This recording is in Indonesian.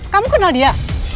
kamu kenal dia